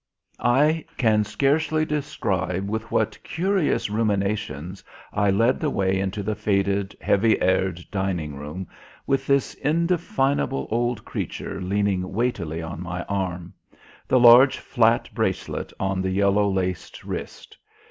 I can scarcely describe with what curious ruminations I led the way into the faded, heavy aired dining room, with this indefinable old creature leaning weightily on my arm the large flat bracelet on the yellow laced wrist.